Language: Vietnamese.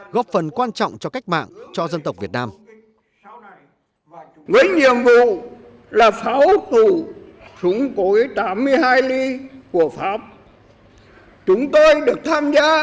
góp phần quan trọng cho cách mạng cho dân tộc việt nam